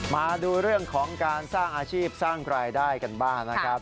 มาดูเรื่องของการสร้างอาชีพสร้างรายได้กันบ้างนะครับ